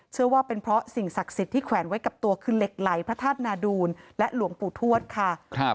เชื่อว่าเป็นเพราะสิ่งศักดิ์สิทธิ์ที่แขวนไว้กับตัวคือเหล็กไหลพระธาตุนาดูลและหลวงปู่ทวดค่ะ